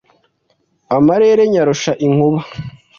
Amarere nyarusha inkuba,